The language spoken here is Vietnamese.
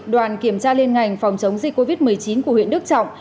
đoàn kiểm tra liên ngành phòng chống dịch covid một mươi chín của huyện đức trọng